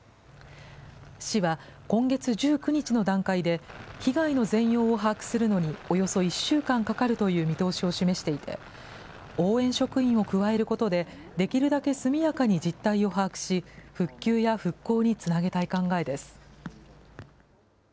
市は今月１９日の段階で、被害の全容を把握するのにおよそ１週間かかるという見通しを示していて、応援職員を加えることで、できるだけ速やかに実態を把握し、復旧や復興につなげたい考えです。